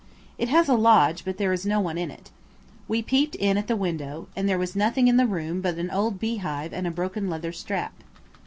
It has a lodge, but there is no one in it. We peeped in at the window, and there was nothing in the room but an old beehive and a broken leather strap.